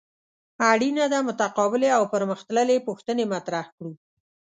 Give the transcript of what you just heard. اړینه ده متقابلې او پرمخ تللې پوښتنې مطرح کړو.